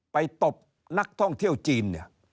ไปตบนักท่องเที่ยวจีน